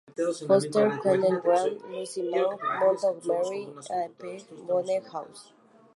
Forster, Kenneth Grahame, Lucy Maud Montgomery y P. G. Wodehouse.